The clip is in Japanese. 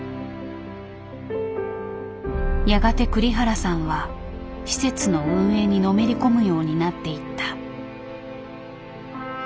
やがて栗原さんは施設の運営にのめり込むようになっていった。